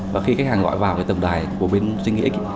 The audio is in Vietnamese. và khi khách hàng gọi vào tổng đài của bên stringyx